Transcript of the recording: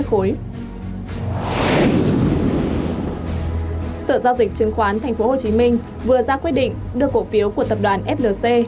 sở giao dịch chứng khoán tp hcm vừa ra quyết định đưa cổ phiếu của tập đoàn flc